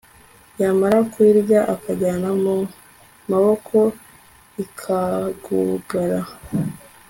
yamara kuyirya akaganya mu mabondo ikagugara